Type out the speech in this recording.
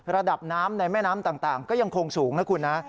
ระดับน้ำในแม่น้ำต่างก็ยังคงสูงนะคุณนะ